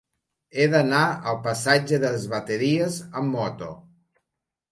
He d'anar al passatge de les Bateries amb moto.